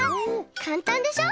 かんたんでしょ？